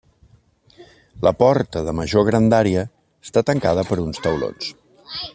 La porta de major grandària està tancada per uns taulons.